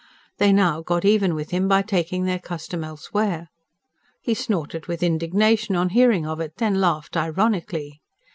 They now got even with him by taking their custom elsewhere. He snorted with indignation on hearing of it; then laughed ironically.